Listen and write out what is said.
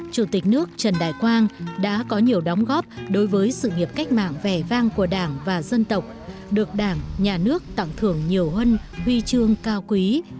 chủ tịch nước trần đại quang đã có nhiều đóng góp đối với sự nghiệp cách mạng vẻ vang của đảng và dân tộc được đảng nhà nước tặng thưởng nhiều huân huy chương cao quý